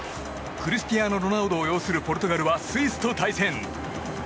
クリスティアーノ・ロナウドを擁するポルトガルはスイスと対戦。